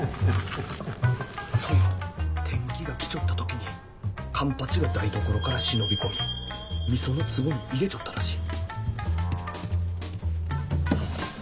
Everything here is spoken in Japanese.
そいを天鬼が来ちょった時に勘八が台所から忍び込みみそのつぼに入れちょったらしい。